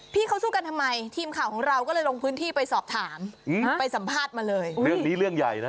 พี่เขาสู้กันทำไมทีมข่าวของเราก็เลยลงพื้นที่ไปสอบถามไปสัมภาษณ์มาเลยเรื่องนี้เรื่องใหญ่นะ